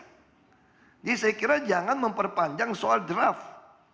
jadi saya kira jangan memperpanjang soal draft